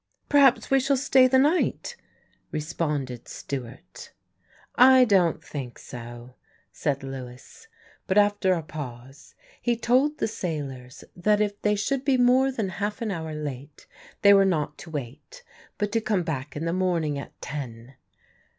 "Perhaps we shall stay the night," responded Stewart. "I don't think so," said Lewis; but after a pause he told the sailors that if they should be more than half an hour late they were not to wait, but to come back in the morning at ten.